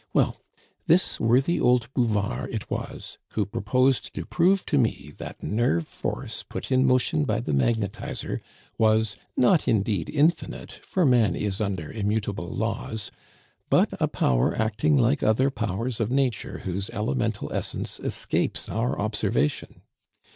Well, this worthy old Bouvard it was who proposed to prove to me that nerve force put in motion by the magnetizer was, not indeed infinite, for man is under immutable laws, but a power acting like other powers of nature whose elemental essence escapes our observation.